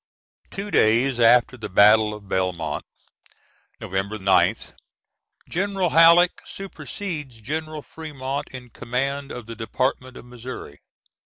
[Two days after the battle of Belmont, November 9th, General Halleck supersedes General Fremont in command of the Department of Missouri.